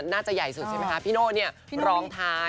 น่าจะใหญ่สุดสิมั้ยคะพี่โน่เราล้องท้ายนะคะ